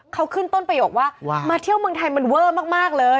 เขาขึ้นต้นประโยคว่ามาเที่ยวเมืองไทยมันเวอร์มากเลย